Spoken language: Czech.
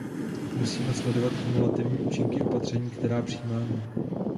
Musíme sledovat kumulativní účinky opatření, která přijímáme.